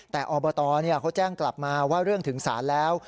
แต่อบตเขาแจ้งกลับมาว่าเรื่องถึงศาลแล้ว